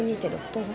どうぞ。